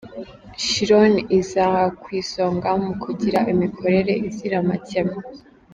Chiron iza ku isonga mu kugira imikorere izira amakemwa.